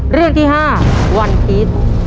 เรื่องที่๕วันพีช